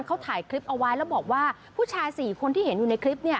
เขาถ่ายคลิปเอาไว้แล้วบอกว่าผู้ชาย๔คนที่เห็นอยู่ในคลิป